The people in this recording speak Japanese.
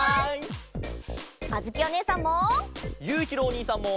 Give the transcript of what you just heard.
あづきおねえさんも。